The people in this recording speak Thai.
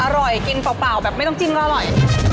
อร่อยกินเปล่าแบบไม่ต้องจิ้มก็อร่อย